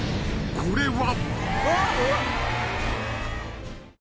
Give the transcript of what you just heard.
［これは？］